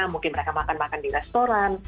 mungkin mereka makan makan di restoran